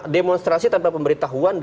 demonstrasi tanpa pemberitahuan